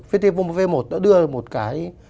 vtv một đã đưa một cái